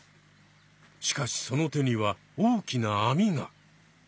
しかしその手には大きなあみが。